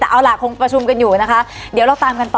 แต่เอาล่ะคงประชุมกันอยู่นะคะเดี๋ยวเราตามกันต่อ